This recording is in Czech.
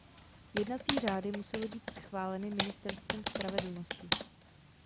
Jednací řády musely být schváleny Ministerstvem spravedlnosti.